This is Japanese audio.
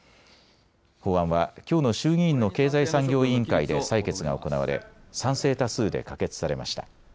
法案はきょうの衆議院の経済産業委員会で採決が行われ賛成多数で可決されました。